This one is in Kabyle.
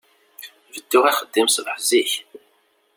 Bedduɣ axeddim ṣbeḥ zik.